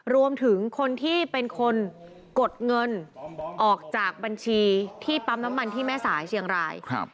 รวมถึงคนที่เป็นคนกดเงินออกจากบัญชีที่ปั๊มน้ำมันที่แม่สายเชียงราย